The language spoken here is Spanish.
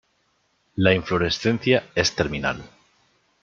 La inflorescencia es terminal.